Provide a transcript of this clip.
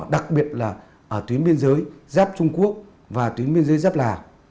đặc biệt là ở tuyến biên giới giáp trung quốc và tuyến biên giới giáp lào